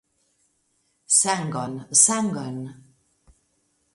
Sangon, sangon!